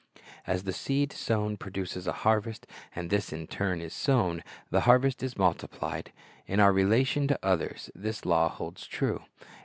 As the seed sown produces a harvest, and this in turn is sown, the harvest is multiplied. In our relation to others, this law holds true.